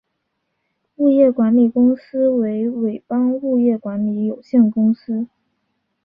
物业管理公司为伟邦物业管理有限公司。